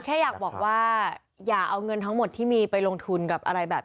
แค่อยากบอกว่าอย่าเอาเงินทั้งหมดที่มีไปลงทุนกับอะไรแบบนี้